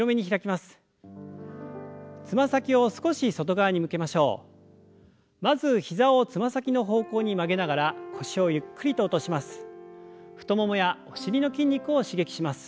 まず膝をつま先の方向に曲げながら腰をゆっくりと落とします。